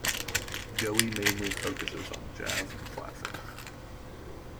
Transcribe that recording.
Joey mainly focuses on jazz and classical.